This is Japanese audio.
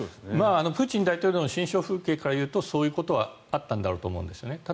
プーチン大統領の心象風景からいうとそういうことはあったんだろうと思うんですね。